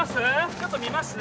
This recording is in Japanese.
ちょっと診ますね